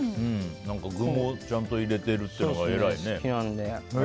具もちゃんと入れてるってのが偉いね。